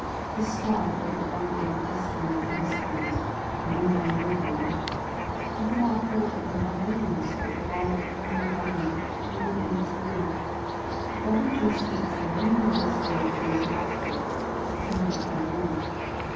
This squire held the bridle of a destrier in his hand, though no man rode thereon. Gugemar called to him by name, so that the varlet looking upon him, knew again his lord. He got him to his feet, and bringing the destrier to his master, set the knight thereon.